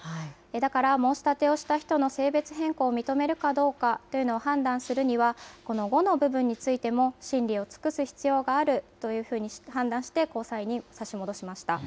だから、申し立てをした人の性別変更を認めるかどうかというのを判断するには、この５の部分についても、審理を尽くす必要があるというふうに判断して、高裁に差し戻しました。